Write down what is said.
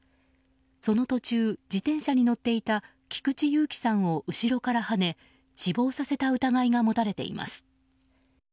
その途中、自転車に乗っていた菊地勇喜さんを後ろからはね死亡した疑いが持たれています。